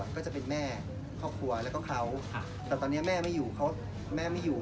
ความสำคัญของเขามันต้องการคืออะไร